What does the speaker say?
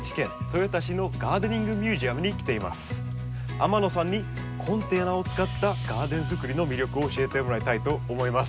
天野さんにコンテナを使ったガーデンづくりの魅力を教えてもらいたいと思います。